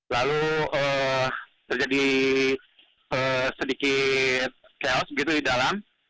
lalu terjadi sedikit chaos begitu di dalam